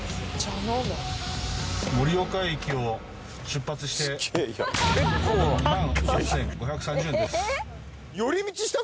盛岡駅を出発して２万８，５３０円です。